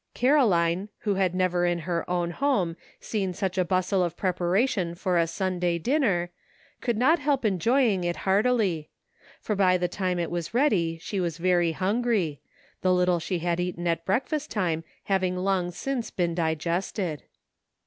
Caroline, who had never in her own home seen such bustle of preparation for a Sunday dinner, could not help enjoying it heartily ; for by the time it was ready she was very hungry, the little she had eaten at breakfast time having long since been digested.